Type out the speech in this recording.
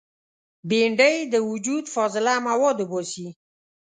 بېنډۍ د وجود فاضله مواد وباسي